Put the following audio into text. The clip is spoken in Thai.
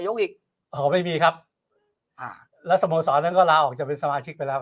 ยกอีกไม่มีครับแล้วสโมสรแล้วก็ลาออกจะเป็นสมาชิกไปแล้ว